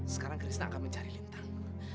sekarang krisna akan mencari lintang